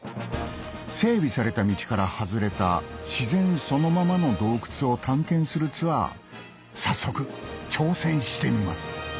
整備された道から外れた自然そのままの洞窟を探検するツアー早速挑戦してみます